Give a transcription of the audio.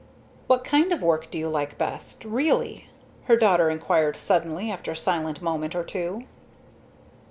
"What kind of work do you like best really?" her daughter inquired suddenly, after a silent moment or two.